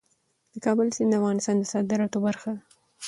د کابل سیند د افغانستان د صادراتو برخه ده.